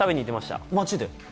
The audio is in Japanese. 街で。